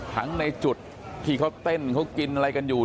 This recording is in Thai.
ในจุดที่เขาเต้นเขากินอะไรกันอยู่